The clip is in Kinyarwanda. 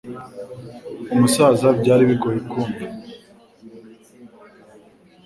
Umusaza byari bigoye kumva